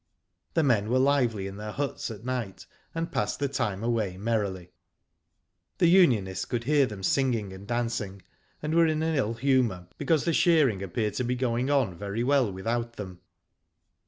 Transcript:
The men were lively in their huts at night, and passed the time away merrily. The unionists could hear them singing and dancing, and were in an ill humour because the shearing appeared to be going on very well without them.